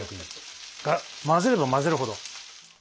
混ぜれば混ぜるほど。